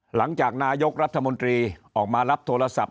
หลังจากนายกรัฐมนตรีออกมารับโทรศัพท์